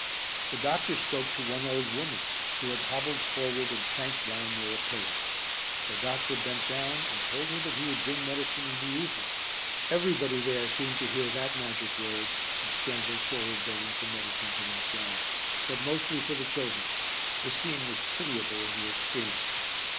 The doctor spoke to one old woman, who had hobbled forward and sank down near a pillar. The doctor bent down and told her that he would bring medicine in the evening. Everybody there seemed to hear that magic word, and scrambled forward begging for medicine for themselves, but mostly for the children. The scene was pitiable in the extreme.